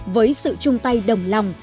với sự chung tay đồng lòng